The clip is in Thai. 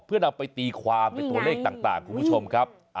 เพื่อนำไปตีความเป็นตัวเลขต่างคุณผู้ชมครับ